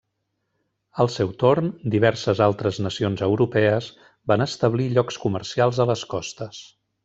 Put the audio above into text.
Al seu torn, diverses altres nacions europees van establir llocs comercials a les costes.